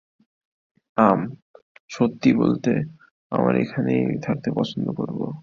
আম, সত্যি বলতে, আমরা এখানেই থাকতে পছন্দ করব।